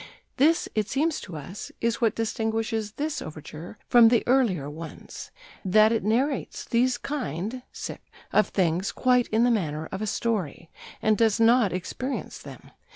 This, it seems to us, is what distinguishes this overture from the earlier ones: that it narrates these kind of things quite in the manner of a story, and does not experience them.